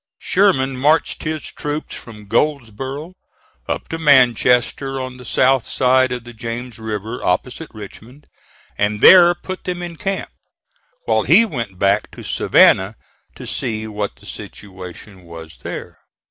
Sherman marched his troops from Goldsboro, up to Manchester, on the south side of the James River, opposite Richmond, and there put them in camp, while he went back to Savannah to see what the situation was there.